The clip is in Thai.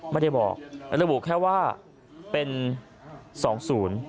ไม่ได้บอกระบุแค่ว่าเป็นสองศูนย์